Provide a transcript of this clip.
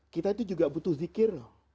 kita itu juga butuh zikir loh